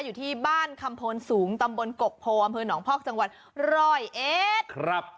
อยู่ที่บ้านคำพลสูงตำบลกกพลบหนองภอกจังหวัดรอยเอชครับ